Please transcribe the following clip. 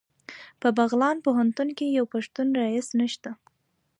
په بغلان پوهنتون کې یو پښتون رییس نشته